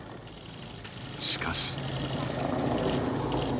しかし。